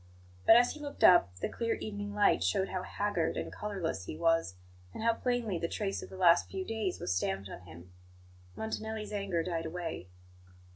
But, as he looked up, the clear evening light showed how haggard and colourless he was, and how plainly the trace of the last few days was stamped on him. Montanelli's anger died away.